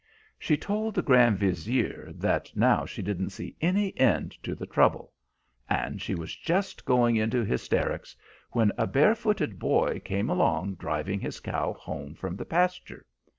She told the Grand Vizier that now she didn't see any end to the trouble, and she was just going into hysterics when a barefooted boy came along driving his cow home from the pasture.